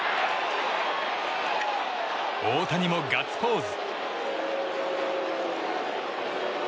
大谷もガッツポーズ。